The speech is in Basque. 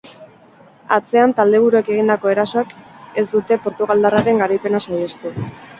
Atzean taldeburuek egindako erasoek ez dute portugaldarraren garaipena saihestu.